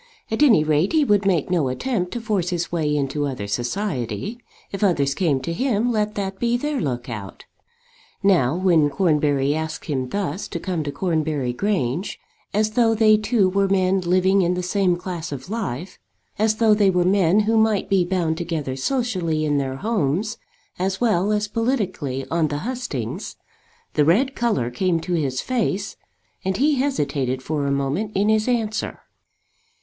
At any rate he would make no attempt to force his way into other society. If others came to him let that be their look out. Now, when Cornbury asked him thus to come to Cornbury Grange, as though they two were men living in the same class of life, as though they were men who might be bound together socially in their homes as well as politically on the hustings, the red colour came to his face and he hesitated for a moment in his answer.